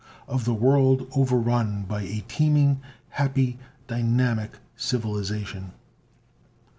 Of the world overrun by a teeming, happy, dynamic civilization.